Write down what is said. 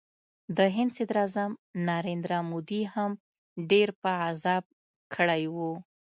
د هند صدراعظم نریندرا مودي هم ډېر په عذاب کړی و